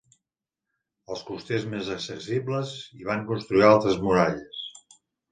Als costers més accessibles, hi van construir altes muralles.